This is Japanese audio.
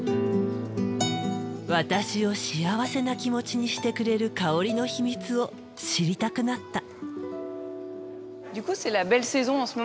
私を幸せな気持ちにしてくれる香りの秘密を知りたくなった。